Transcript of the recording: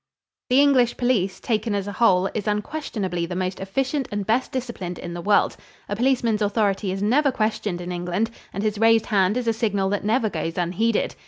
The English police, taken as a whole, is unquestionably the most efficient and best disciplined in the world. A policeman's authority is never questioned in England and his raised hand is a signal that never goes unheeded.